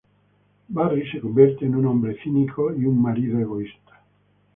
Barry se convierte en un hombre cínico y un marido egoísta.